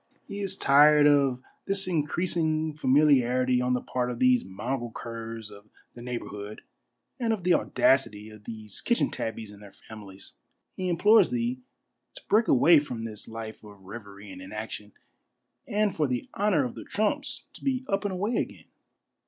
He is tired of this increasing familiarity on the part of these mongrel curs of the neighborhood and of the audacity of these kitchen tabbies and their families. He implores thee to break away from this life of revery and inaction, and for the honor of the Trumps to be up and away again."